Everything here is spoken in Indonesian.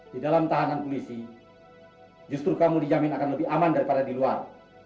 di dalam tahanan polisi justru kamu dijamin akan lebih aman daripada di luar